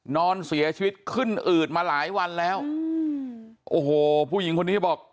นอนเสียชีวิตขึ้นอืดมาหลายวันแล้วโอ้โหผู้หญิงคนนี้บอก